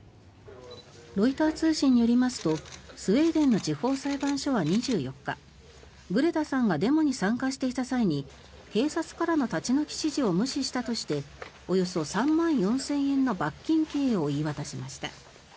ロイター通信によりますとスウェーデンの地方裁判所は２４日グレタさんがデモに参加していた際に警察からの立ち退き指示を無視したとしておよそ３万４０００円の罰金刑を言い渡しました。